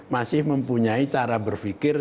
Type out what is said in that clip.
masih mempunyai cara berfikir